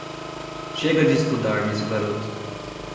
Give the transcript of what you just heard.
Chega de estudar, disse o garoto.